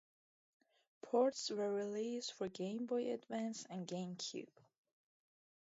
Ports were released for Game Boy Advance and GameCube.